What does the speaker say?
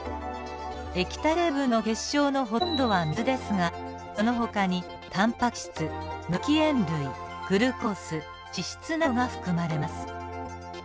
液体成分の血しょうのほとんどは水ですがそのほかにタンパク質無機塩類グルコース脂質などが含まれます。